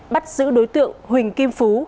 bắt giữ đối tượng huỳnh kim phú